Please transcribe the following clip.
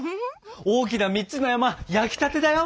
大きな３つの山焼きたてだよ！